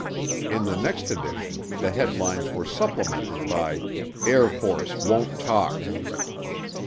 In the next edition the headlines were supplemented by, AIR FORCE WONT TALK.